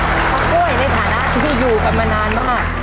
กล้วยในฐานะที่อยู่กันมานานมาก